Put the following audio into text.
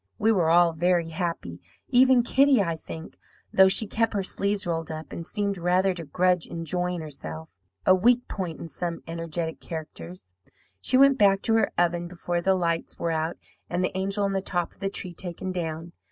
"We were all very happy; even Kitty, I think, though she kept her sleeves rolled up, and seemed rather to grudge enjoying herself (a weak point in some energetic characters). She went back to her oven before the lights were out and the angel on the top of the tree taken down.